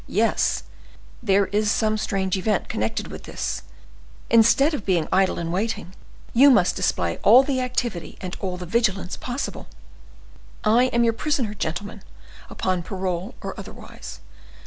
Yes, there is some strange event connected with this; instead of being idle and waiting, you must display all the activity and all the vigilance possible. I am your prisoner, gentlemen, upon parole or otherwise.